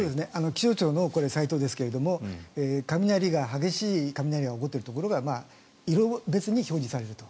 気象庁のサイトですが激しい雷が起こっているところが色別に表示されると。